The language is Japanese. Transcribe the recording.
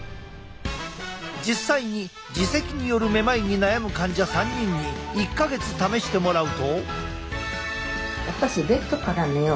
実際に耳石によるめまいに悩む患者３人に１か月試してもらうと。